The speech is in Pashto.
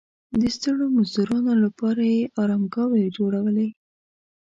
د ستړو مزدورانو لپاره یې ارامګاوې جوړولې.